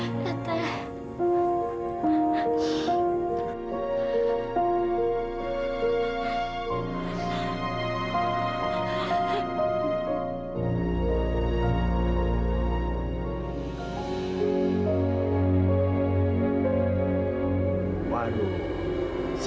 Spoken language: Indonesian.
iis sudah berdosa